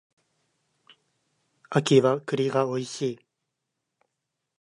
秋は栗が美味しい